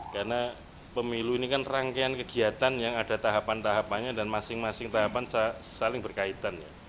karena pemilu ini kan rangkaian kegiatan yang ada tahapan tahapannya dan masing masing tahapan saling berkaitan